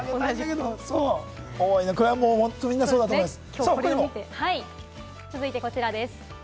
これ、みんなそうだと思います。